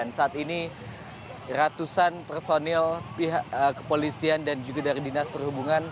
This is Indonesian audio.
dan saat ini ratusan personil kepolisian dan juga dari dinas perhubungan